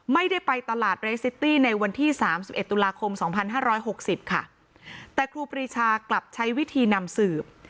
ไม่ได้ไปตลาดเรสซิตี้ในวันที่สามสิบเอ็ดตุลาคมสองพันห้าร้อยหกสิบค่ะแต่ครูปรีชากลับใช้วิธีนำสืบ